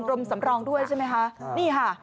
รมสำรองด้วยแต่ไหมคะ